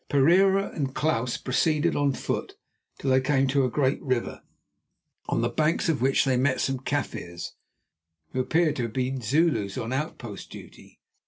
Pereira and Klaus proceeded on foot till they came to a great river, on the banks of which they met some Kaffirs, who appear to have been Zulus on outpost duty.